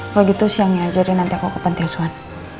kalau gitu siangnya jadi nanti aku ke pantai suan